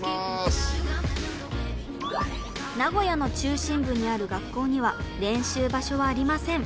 名古屋の中心部にある学校には練習場所はありません。